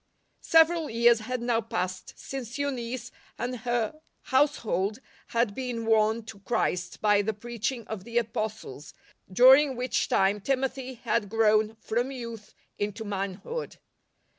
Several years had now passed since Eunice and her household had been won to Christ by the preaching of the Apostles, during which time Timothy had grown from youth into manhood.